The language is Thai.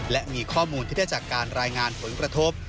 และมีข้อมูลที่ได้จากการรายงานผลกระทบ